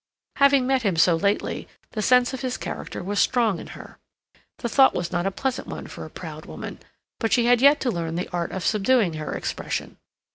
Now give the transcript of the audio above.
Having met him so lately, the sense of his character was strong in her. The thought was not a pleasant one for a proud woman, but she had yet to learn the art of subduing her expression.